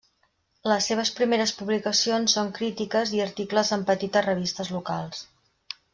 Les seves primeres publicacions són crítiques i articles en petites revistes locals.